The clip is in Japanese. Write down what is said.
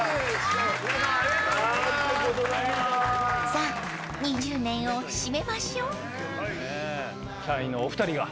［さあ２０年を締めましょう］